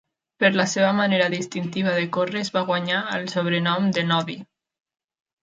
Per la seva manera distintiva de córrer es va guanyar el sobrenom de "Noddy".